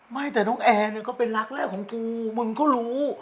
ไม่แต่น้องแอร์เนี่ยก็เป็นรักแรกของกูมึงก็รู้